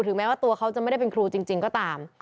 แม้ว่าตัวเขาจะไม่ได้เป็นครูจริงก็ตาม